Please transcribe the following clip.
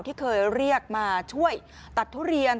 ที่เคยเรียกมาช่วยตัดทุเรียน